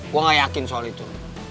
gue gak yakin soal itu